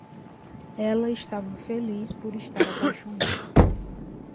Ela estava feliz por estar apaixonada.